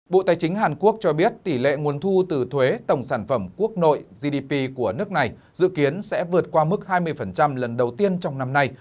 bộ tài chính hàn quốc cho biết tỷ lệ nguồn thu từ thuế tổng sản phẩm quốc nội gdp của nước này dự kiến sẽ vượt qua mức hai mươi lần đầu tiên trong năm nay